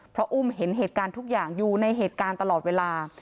เพราะอุ้มเห็นเหตุการณ์ทุกอย่างอยู่ในเหตุการณ์ตลอดเวลา